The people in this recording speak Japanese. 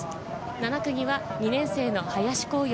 ７区には２年生の林晃耀。